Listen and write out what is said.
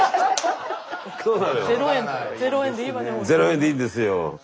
０円でいいんですよ。